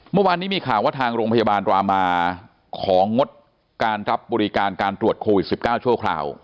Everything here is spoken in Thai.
เมื่อวานนี้มีข่าวว่าทางโรงพยาบาลรามาของงดการรับบริการการตรวจโควิด๑๙ชั่วคราว